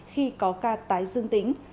khi có ca bệnh